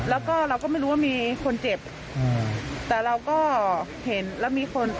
แล้วก็เราก็ไม่รู้ว่ามีคนเจ็บแต่เราก็เห็นแล้วมีคนตะโกนได้ยินบอกว่ามีคนเจ็บ